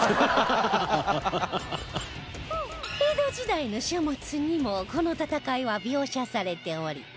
江戸時代の書物にもこの戦いは描写されており